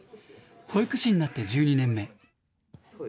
保育士になって１２年目。